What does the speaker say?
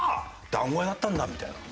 団子屋だったんだみたいな。